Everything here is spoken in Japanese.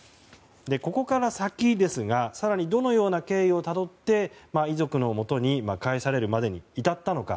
ここから先ですが更にどのような経緯をたどって遺族のもとに返されるまでに至ったのか。